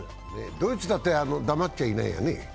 ドイツだって黙っちゃいないよね。